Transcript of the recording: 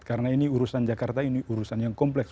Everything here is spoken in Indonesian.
karena ini urusan jakarta ini urusan yang kompleks